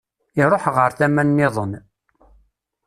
Iruḥ ɣer tama nniḍen.